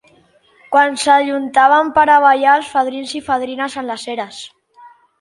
Quan s’ajuntaven per a ballar els fadrins i fadrines en les eres.